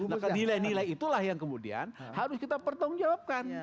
nah nilai nilai itulah yang kemudian harus kita pertanggung jawabkan